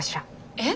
えっ？